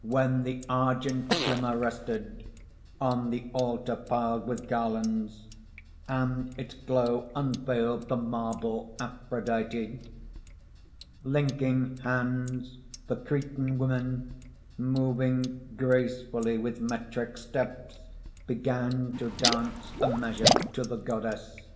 When the argent glimmer rested On the altar piled with garlands, And its glow unveiled the marble Aphrodite; Linking hands, the Cretan women Moving gracefully with metric Steps began to dance a measure To the Goddess.